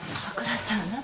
高倉さん。